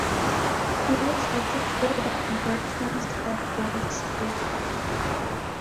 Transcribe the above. He was educated at Berkhamsted Boys school.